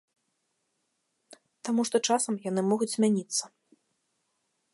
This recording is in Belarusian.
Таму што часам яны могуць змяніцца.